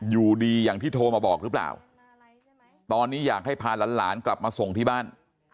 อยู่ดีอย่างที่โทรมาบอกหรือเปล่าตอนนี้อยากให้พาหลานกลับมาส่งที่บ้าน